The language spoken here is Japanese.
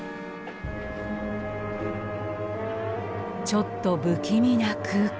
ちょっと不気味な空間。